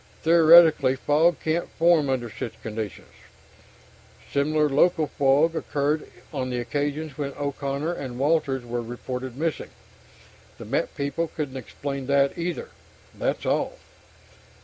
"Theoretically, fog can't form under such conditions. Similar local fog occurred on the occasions when O'Connor and Walters were reported missing. The Met. people couldn't explain that, either. That's all."